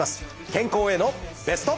健康へのベスト。